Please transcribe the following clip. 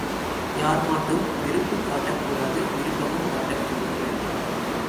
யார்மாட்டும் வெறுப்புக் காட்டக் கூடாது விருப்பமும் காட்டக்கூடாது.